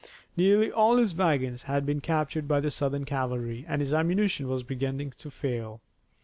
Nearly all his wagons had been captured by the Southern cavalry, and his ammunition was beginning to fail.